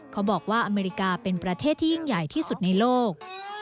เขาบอกว่าอเมริกาเป็นประเทศที่ยิ่งใหญ่ที่สุดในโลก